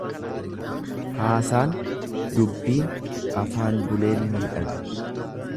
Haasaan dubbiin afaan buleen miidhaga.